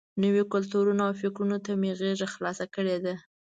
نویو کلتورونو او فکرونو ته مې غېږه خلاصه کړې ده.